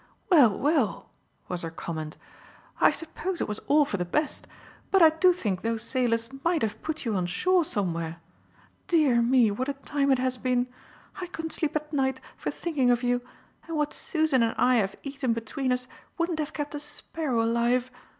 "Well, well," was her comment, "I suppose it was all for the best, but I do think those sailors might have put you on shore somewhere. Dear me, what a time it has been. I couldn't sleep at night for thinking of you, and what Susan and I have eaten between us wouldn't have kept a sparrow alive.